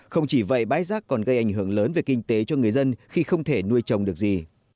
không chỉ vậy bãi rác còn gây ảnh hưởng lớn về kinh tế cho người dân khi không thể nuôi trồng được gì